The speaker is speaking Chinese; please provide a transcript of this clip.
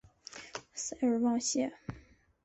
塞尔旺谢。